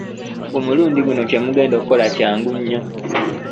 Kumulundi guno, kyemugenda okukola kyangu nnyo.